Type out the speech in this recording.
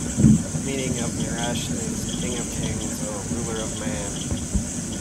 The meaning of Naresh is "King of Kings" or "Ruler of Man".